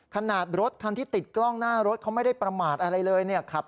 ขนาดรถคันที่ติดกล้องหน้ารถเขาไม่ได้ประมาทอะไรเลยเนี่ย